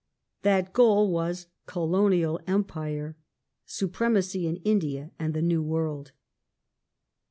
That goal was Colonial Empire : supremacy in India and the New World.